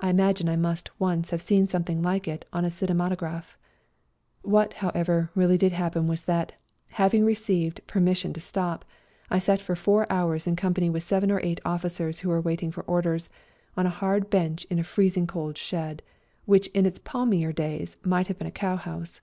I imagine I must once have seen something like it on a cine matograph. What, however, really did happen was that, having received per mission to stop, I sat for four hours in company with seven or eight officers who were waiting for orders, on a hard bench in a freezing cold shed, which in its palmier days might have been a cowhouse.